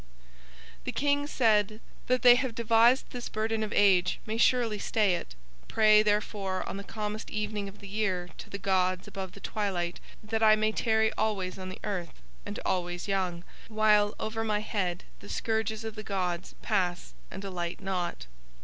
The King said: "They that have devised this burden of age may surely stay it, pray therefore on the calmest evening of the year to the gods above the twilight that I may tarry always on the earth and always young, while over my head the scourges of the gods pass and alight not."